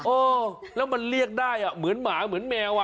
เออแล้วมันเรียกได้เหมือนหมาเหมือนแมว